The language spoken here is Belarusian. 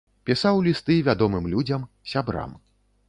Пісаў лісты вядомым людзям, сябрам.